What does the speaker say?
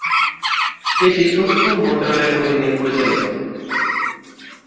এটি তথ্য মন্ত্রণালয়ের অধীন পরিচালিত।